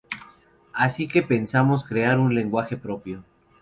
Así que pensamos crear un lenguaje propio.